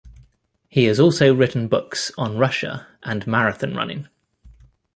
He has also written books on Russia and marathon running.